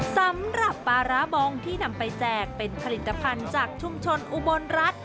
สำหรับปลาร้าบองที่นำไปแจกเป็นผลิตภัณฑ์จากชุมชนอุบลรัฐ